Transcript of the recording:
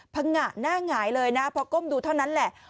งะหน้าหงายเลยนะพอก้มดูเท่านั้นแหละ